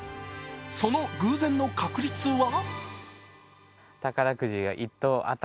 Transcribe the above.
その偶然の確率は？